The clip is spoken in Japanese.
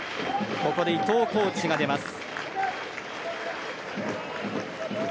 ここで伊藤コーチが出ます。